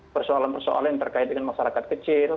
persoalan persoalan yang terkait dengan masyarakat kecil